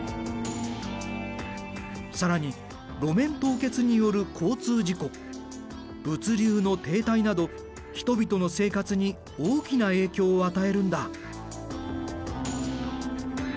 更に路面凍結による交通事故物流の停滞など人々の生活に大きな影響を与えるんだ。